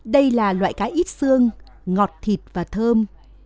đây là loại cá ít xương ngọt thịt và thơm